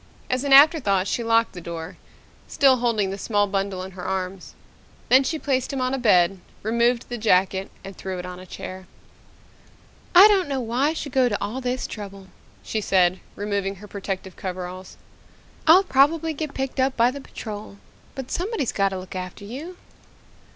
As an afterthought she locked the door, still holding the small bundle in her arms. Then she placed him on a bed, removed the jacket and threw it on a chair. "I don't know why I should go to all this trouble," she said, removing her protective coveralls. "I'll probably get picked up by the Patrol. But somebody's got to look after you."